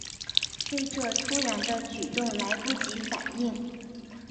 对这突然的举动来不及反应